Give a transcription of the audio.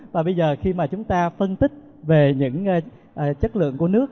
và bây giờ khi mà chúng ta phân tích về những chất lượng của nước